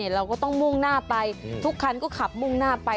เราก็ต้องมุ่งหน้าไปทุกคันก็ขับมุ่งหน้าไป